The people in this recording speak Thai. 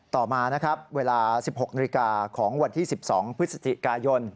ต่อมานะครับเวลา๑๖นาฬิกาของวันที่๑๒พฤศจิกายน